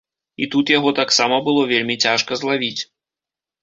І тут яго таксама было вельмі цяжка злавіць.